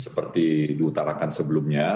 seperti diutarakan sebelumnya